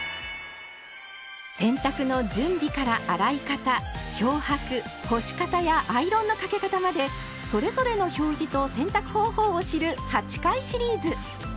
洗濯の準備から洗い方漂白干し方やアイロンのかけ方までそれぞれの表示と洗濯方法を知る８回シリーズ。